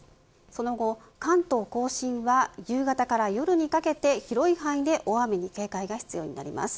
その後、関東甲信は夕方から夜にかけて広い範囲で大雨に警戒が必要になります。